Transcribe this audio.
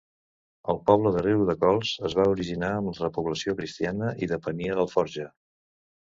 El poble de Riudecols es va originar amb la repoblació cristiana i depenia d'Alforja.